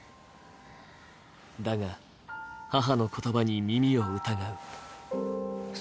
だが、母の言葉に耳を疑う。